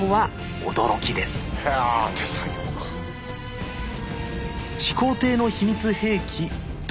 始皇帝の秘密兵器弩。